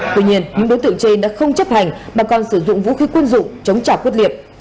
tuy nhiên những đối tượng trên đã không chấp hành mà còn sử dụng vũ khí quân dụng chống trả quyết liệt